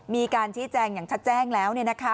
มีการชี้แจงอย่างชัดแจ้งแล้ว